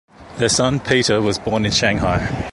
Their son, Peter, was born in Shanghai.